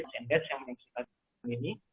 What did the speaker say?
mungkin yang saya ingin kasih tau di sini